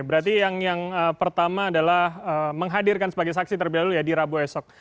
berarti yang pertama adalah menghadirkan sebagai saksi terlebih dahulu ya di rabu esok